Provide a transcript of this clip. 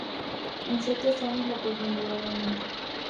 En ciertos tramos, la profundidad aumenta.